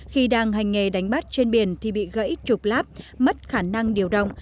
khi đang hành nghề đánh bắt trên biển thì bị gãy trục lát mất khả năng điều động